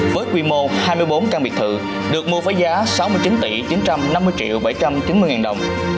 với quy mô hai mươi bốn căn biệt thự được mua với giá sáu mươi chín chín trăm năm mươi bảy trăm chín mươi đồng